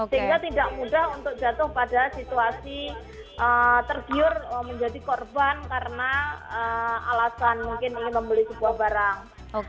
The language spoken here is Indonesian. sehingga tidak mudah untuk jatuh pada situasi tergiur menjadi korban karena alasan mungkin ingin membeli sebuah barang